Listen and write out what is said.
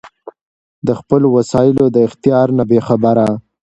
د خپلــــــو وسائیلـــــــو د اختیار نه بې خبره